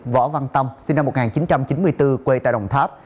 võ văn tâm sinh năm một nghìn chín trăm chín mươi bốn quê tại đồng tháp